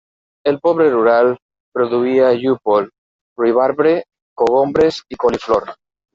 El poble rural produïa llúpol, ruibarbre, cogombres i coliflor.